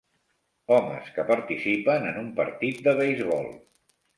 Homes que participen en un partit de beisbol.